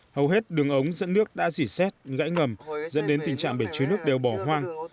hầu hết đường ống dẫn nước đã dỉ xét gãy ngầm dẫn đến tình trạng bể chứa nước đều bỏ hoang